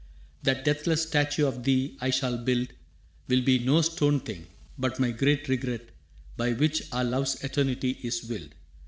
«That deathless statue of thee I shall build Will be no stone thing, but my great regret By which our love's eternity is willed.